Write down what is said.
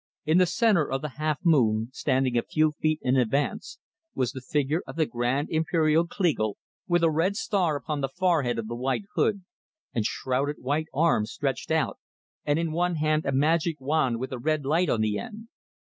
In the center of the half moon, standing a few feet in advance, was the figure of the "Grand Imperial Kleagle," with a red star upon the forehead of the white hood, and shrouded white arms stretched out, and in one hand a magic wand with a red light on the end.